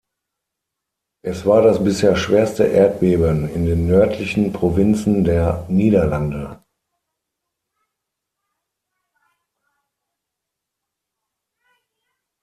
Es war das bisher schwerste Erdbeben in den nördlichen Provinzen der Niederlande.